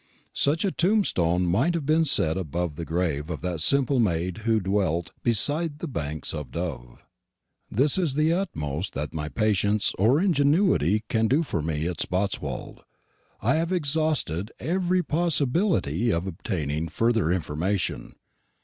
Such a tombstone might have been set above the grave of that simple maid who dwelt "beside the banks of Dove." This is the uttermost that my patience or ingenuity can do for me at Spotswold. I have exhausted every possibility of obtaining further information.